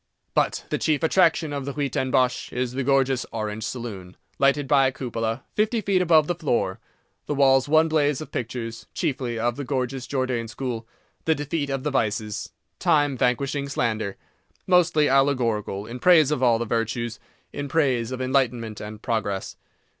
But the chief attraction of the Huis ten Bosch is the gorgeous Orange Saloon, lighted by a cupola, fifty feet above the floor, the walls one blaze of pictures, chiefly of the gorgeous Jordaen school—"The Defeat of the Vices," "Time Vanquishing Slander"—mostly allegorical, in praise of all the virtues, in praise of enlightenment and progress.